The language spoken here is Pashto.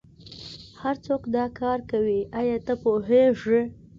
هرڅوک دا کار کوي ایا ته پوهیږې